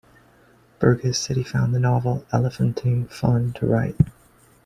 Burgess said he found the novel "elephantine fun" to write.